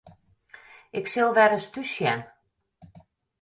Ik sil wer ris thús sjen.